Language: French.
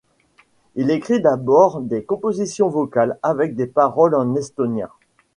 Il écrit d'abord des compositions vocales avec des paroles en estonien.